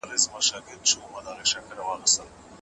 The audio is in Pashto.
بزګر فکر کاوه چې آس به په اسانۍ سره تر خاورو لاندې شي.